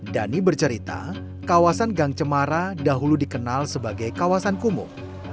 dhani bercerita kawasan gang cemara dahulu dikenal sebagai kawasan kumuh